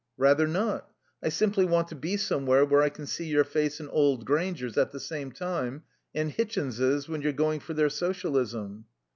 "Rather not. I simply want to be somewhere where I can see your face and old Grainger's at the same time, and Hitchin's, when you're going for their Socialism."